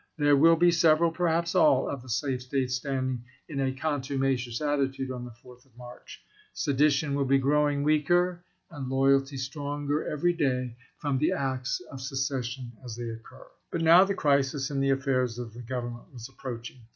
There will be several, perhaps all, of the slave States standing in a contumacious seward to attitude on the 4th of March. Sedition will be growing DLil26Oi860 wea^er and loyalty stronger every day from the acts of ms. ' secession as they occur. But now the crisis in the affairs of the G overn ment was approaching.